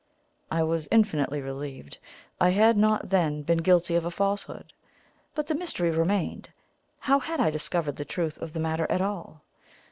I was infinitely relieved. I had not, then, been guilty of a falsehood. But the mystery remained: how had I discovered the truth of the matter at all?